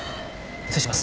失礼します。